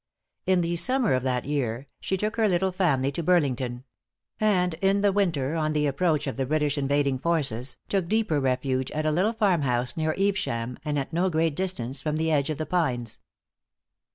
In the summer of that year, she took her little family to Burlington; and in the winter, on the approach of the British invading forces, took deeper refuge at a little farmhouse near Evesham, and at no great distance from the edge of the Pines.